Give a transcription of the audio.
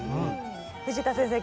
藤田先生